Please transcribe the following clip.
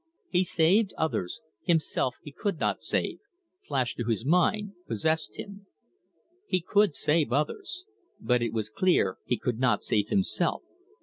"He saved others, himself he could not save" flashed through his mind, possessed him. He could save others; but it was clear he could not save himself.